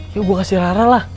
ya gua kasih rara lah